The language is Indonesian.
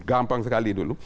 gampang sekali dulu